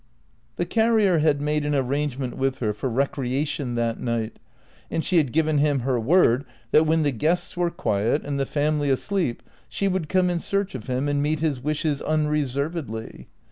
The carrier had made an arrangement with her for recreation that uight, and she had given him her word that when the giiests were quiet and the family asleep she would come in search of him and meet his wishes unreservedly.